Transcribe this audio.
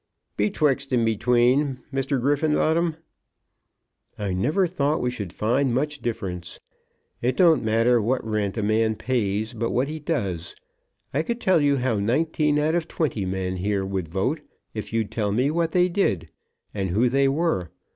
"Betwixt and between, Mr. Griffenbottom." "I never thought we should find much difference. It don't matter what rent a man pays, but what he does. I could tell you how nineteen out of twenty men here would vote, if you'd tell me what they did, and who they were.